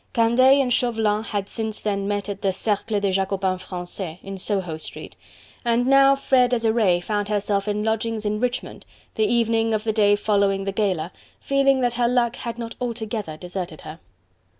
Candeille and Chauvelin had since then met at the "Cercle des Jacobins Francais" in Soho Street, and now fair Desiree found herself in lodgings in Richmond, the evening of the day following the Gala, feeling that her luck had not altogether deserted her.